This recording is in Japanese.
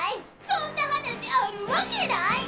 そんな話あるわけない！